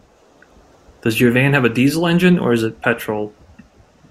Does your van have a diesel engine, or is it petrol?